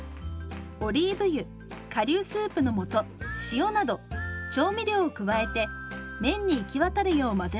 オリーブ油顆粒スープの素塩など調味料を加えて麺に行き渡るよう混ぜます。